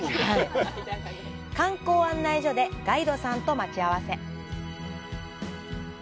観光案内所でガイドさんと待ち合わせ。